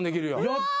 やった。